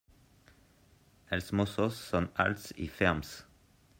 Els mossos són alts i ferms.